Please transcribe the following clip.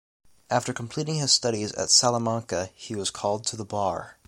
After completing his studies at Salamanca he was called to the bar.